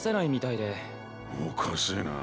おかしいな。